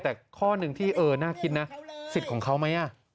แต่ข้อหนึ่งที่เออน่าคิดนะสิทธิ์ของเขาไหม